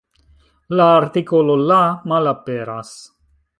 La artikolo "la" malaperas.